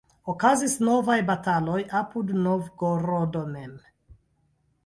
Okazis novaj bataloj apud Novgorod mem.